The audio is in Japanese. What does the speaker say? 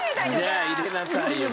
じゃあ入れなさいよ